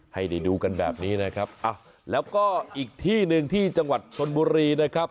ให้ได้ดูกันแบบนี้นะครับแล้วก็อีกที่หนึ่งที่จังหวัดชนบุรีนะครับ